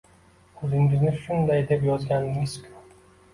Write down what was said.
O`zingiz shunday deb yozgandingiz-ku